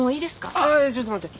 ああちょっと待って。